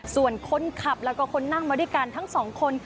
ส่วนคนขับแล้วก็คนนั่งมาด้วยกันทั้งสองคน